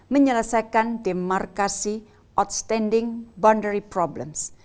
menyelesaikan demarkasi outstanding boundary problems